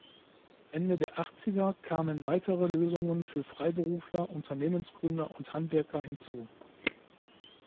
Ende der Achtziger kamen weitere Lösungen für Freiberufler, Unternehmensgründer und Handwerker hinzu.